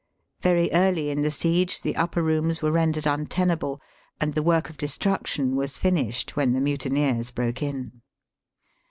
Very early in the siege the upper rooms were rendered untenable, and the work of destruction was finished when the mutineers broke in.